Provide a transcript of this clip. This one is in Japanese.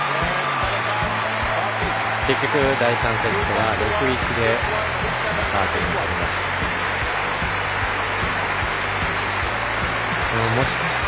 結局、第３セットは６−１でバーティが取りました。